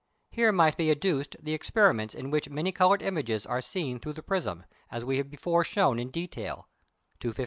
Here might be adduced the experiments in which many coloured images are seen through the prism, as we have before shown in detail (258, 284).